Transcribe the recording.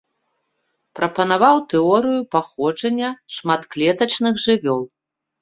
Прапанаваў тэорыю паходжання шматклетачных жывёл.